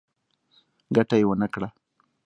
ګټه یې ونه کړه.